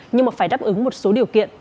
nhưng phải đáp ứng một số điều kiện